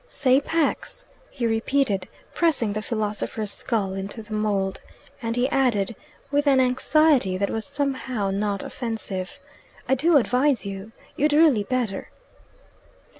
"Say Pax!" he repeated, pressing the philosopher's skull into the mould; and he added, with an anxiety that was somehow not offensive, "I do advise you. You'd really better."